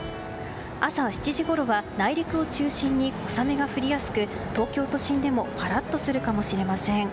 朝７時ごろは内陸を中心に小雨が降りやすく東京都心でもパラッとするかもしれません。